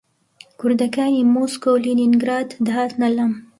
کوردەکانی مۆسکۆ و لینینگراد دەهاتنە لام